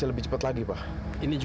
t overt yg kalau diri king